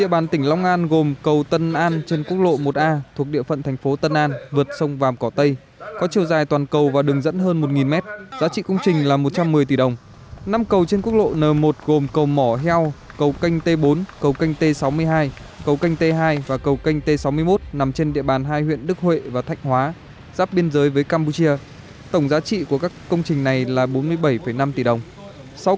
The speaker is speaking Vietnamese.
bộ giao thông vận tải phối hợp với ủy ban nhân dân tỉnh long an tổ chức lễ thông xe công trình cầu tân an trên quốc lộ một a và năm cầu trên quốc lộ n một nằm trên địa bàn tỉnh long an được đầu tư bằng nguồn vốn oda của chính phủ nhật bản và vốn đối ứng của chính phủ việt nam